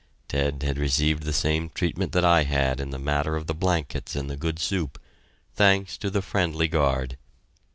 Ted had received the same treatment that I had in the matter of the blankets and the good soup thanks to the friendly guard.